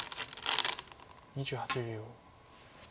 ２８秒。